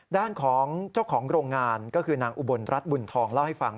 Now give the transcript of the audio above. ด้านของเจ้าของโรงงานก็คือนางอุบลรัฐบุญทองเล่าให้ฟัง